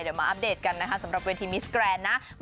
เดี๋ยวมาอัปเดตกันนะคะสำหรับเวทีมิสแกรนด์นะ